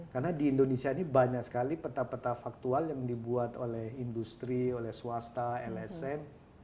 karena di indonesia ini banyak sekali peta peta faktual yang dibuat oleh industri oleh swasta lsm